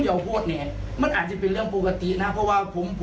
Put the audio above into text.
เราก็รับฟังเป็นเรื่องที่ดีเลยครับ